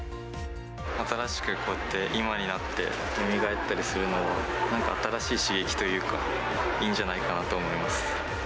新しく、こうやって今になってよみがえったりするのは、なんか新しい刺激というか、いいんじゃないかなと思います。